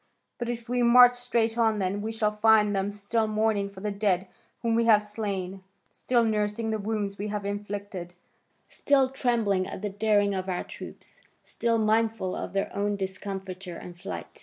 But if we march straight on then, we shall find them still mourning for the dead whom we have slain, still nursing the wounds we have inflicted, still trembling at the daring of our troops, still mindful of their own discomfiture and flight.